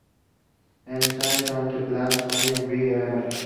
Edward Hart married Christine Mowbray.